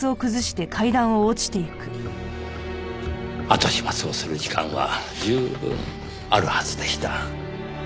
後始末をする時間は十分あるはずでした。